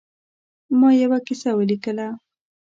ما یوه کیسه ولیکله.